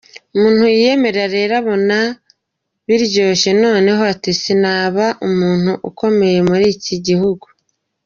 Ukuntu yiyemera rero abona biryoshye noneho ati sinaba umuntu ukomeye muriki gihugu.